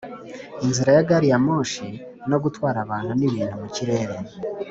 inzira ya gari ya moshi no gutwara abantu n'ibintu mu kirere